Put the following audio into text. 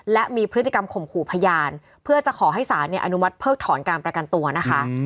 และมีพฤติกรรมข่มขู่พยานเพื่อจะขอให้ศาลอนุมัติเพิกถอนการประกันตัวนะคะ